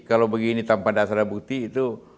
kalau begini tanpa data dan bukti itu